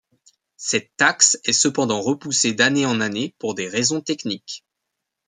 Cette taxe est cependant repoussée d'année en année pour des raisons techniques.